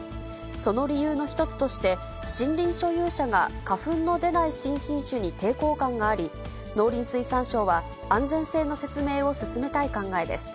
その理由の一つとして、森林所有者が花粉の出ない新品種に抵抗感があり、農林水産省は、安全性の説明を進めたい考えです。